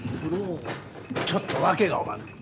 ちょっと訳がおまんねん。